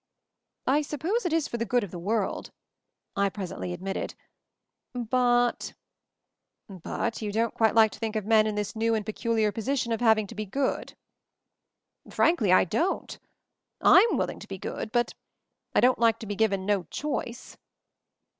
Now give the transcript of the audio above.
"I suppose it is for the good of the world," I presently admitted; "but " "But you don't quite like to think of men in this new and peculiar position of having to be good!" "Frankly — I don't. I'm willing to be good, but — I don't like to be given no choice."